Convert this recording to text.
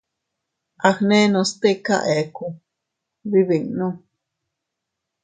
Agnenos tika eku, bibinnu.